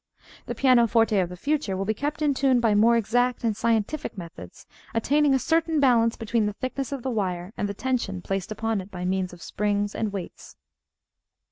The pianoforte of the future will be kept in tune by more exact and scientific methods, attaining a certain balance between the thickness of the wire and the tension placed upon it by means of springs and weights.